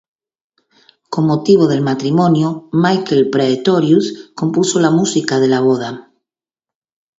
Con motivo del matrimonio Michael Praetorius compuso la música de la boda.